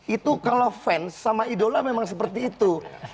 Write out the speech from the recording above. itu kalau fans sama idola memang seperti itu